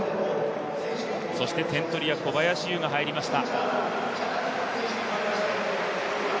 そして点取り屋、小林悠が入りました。